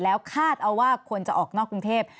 แล้วคาดเอาว่าคนจะออกนอกกรุงเทพ